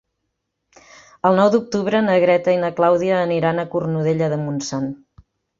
El nou d'octubre na Greta i na Clàudia aniran a Cornudella de Montsant.